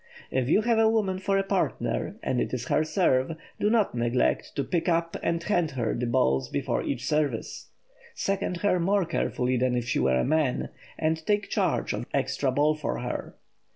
If you have a woman for a partner and it is her "serve," do not neglect to pick up and hand her the balls before each service. Second her more carefully than if she were a man, and take charge of the extra balls for her.